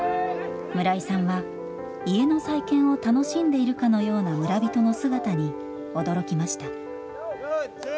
村井さんは家の再建を楽しんでいるかのような村人の姿に驚きました。